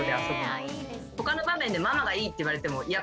他の場面でママがいいって言われてもいや